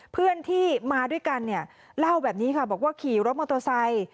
เพื่อนที่มาด้วยกันเนี่ยเล่าแบบนี้ค่ะบอกว่าขี่รถมอเตอร์ไซค์